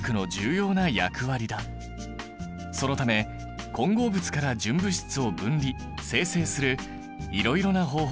そのため混合物から純物質を分離・精製するいろいろな方法が考え出されている。